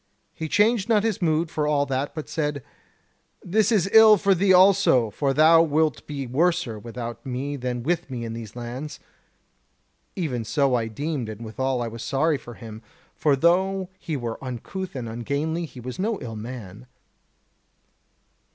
He changed not his mood for all that; but said: 'This is ill for thee also; for thou wilt be worser without me than with me in these lands.' Even so I deemed, and withal I was sorry for him, for though he were uncouth and ungainly, he was no ill man.